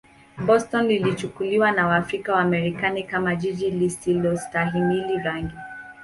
Boston ilichukuliwa na Waafrika-Wamarekani kama jiji lisilostahimili rangi.